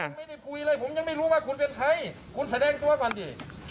ผมไม่ได้คุยเลยผมยังไม่รู้ว่าคุณเป็นใครคุณแสดงตัวก่อนดิ